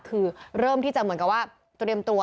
คือเริ่มที่จะเหมือนกับว่าเตรียมตัว